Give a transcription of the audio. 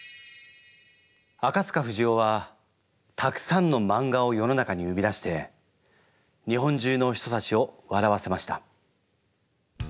あかつかふじおはたくさんのマンガを世の中に生み出して日本中の人たちを笑わせました。